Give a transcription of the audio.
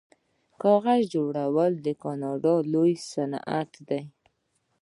کاغذ جوړول د کاناډا لوی صنعت دی.